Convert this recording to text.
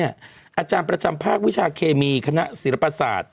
อาจารย์ประจำภาควิชาเคมีคณะศิลปศาสตร์